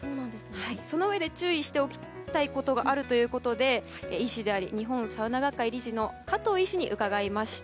そのうえで注意したいことがあるということで医師であり日本サウナ学会理事の加藤医師に伺いました。